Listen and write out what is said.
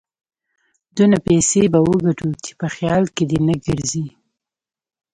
دونه پيسې به وګټو چې په خيال کې دې نه ګرځي.